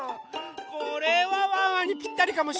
これはワンワンにぴったりかもしれない。